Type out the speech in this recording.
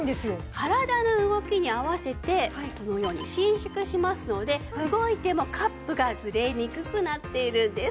体の動きに合わせてこのように伸縮しますので動いてもカップがずれにくくなっているんです。